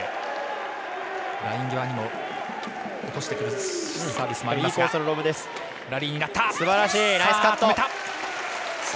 ライン際にも落としてくるサービスもあります。